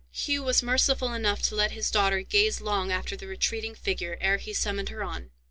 Hugh was merciful enough to let his daughter gaze long after the retreating figure ere he summoned her on.